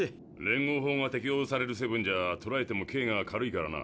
連合法が適用されるセブンじゃとらえても刑が軽いからな。